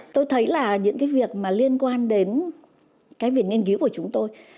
tôi thấy là những việc liên quan đến việc nghiên cứu của chúng tôi